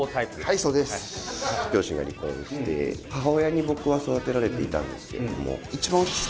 はいそうです。両親が離婚して母親に僕は育てられていたんですけれども。